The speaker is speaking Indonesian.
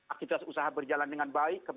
aktivitas usaha berjalan dengan baik